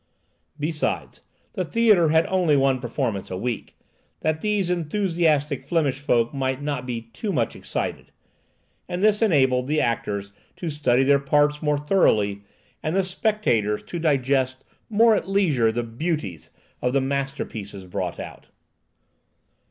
Besides, the theatre had only one performance a week, that these enthusiastic Flemish folk might not be too much excited; and this enabled the actors to study their parts more thoroughly, and the spectators to digest more at leisure the beauties of the masterpieces brought out.